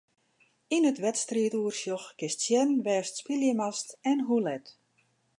Yn it wedstriidoersjoch kinst sjen wêr'tst spylje moatst en hoe let.